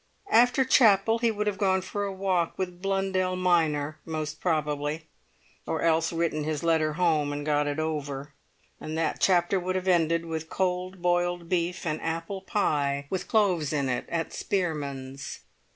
After chapel he would have gone for a walk with Blundell minor, most probably, or else written his letter home and got it over. And that chapter would have ended with cold boiled beef and apple pie with cloves in it at Spearman's.